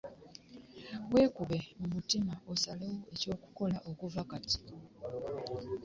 Wekube mu mutima osalewo ekyokukola okuva kati.